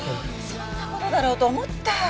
そんな事だろうと思った。